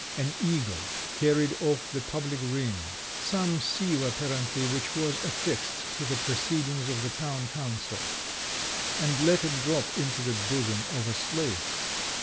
An eagle carried off the public ring (some seal apparently which was affixed to the proceedings of the Town Council), and let it drop into the bosom of a slave.